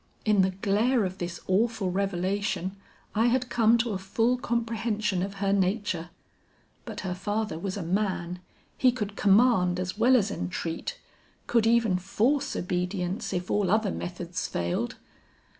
In the glare of this awful revelation I had come to a full comprehension of her nature. But her father was a man; he could command as well as entreat, could even force obedience if all other methods failed.